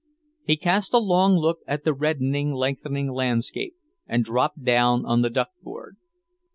He cast a long look at the reddening, lengthening landscape, and dropped down on the duckboard.